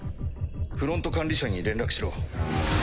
フロント管理者に連絡しろ。